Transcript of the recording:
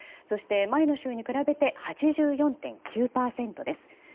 そして前の週に比べて８４．９％です。